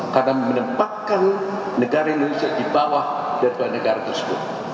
karena menempatkan negara indonesia di bawah daripada negara tersebut